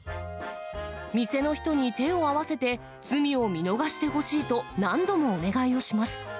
店の人に手を合わせて、罪を見逃してほしいと、何度もお願いをします。